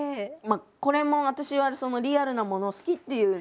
これも私はリアルなものを好きっていう。